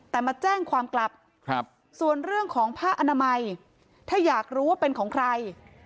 แต่มาแจ้งความกลับส่วนเรื่องของผ้าอนามัยถ้าอยากรู้ว่าเป็นของใคร